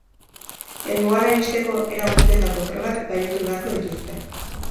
Helmugara iristeko, era guztietako probak gainditu beharko dituzte.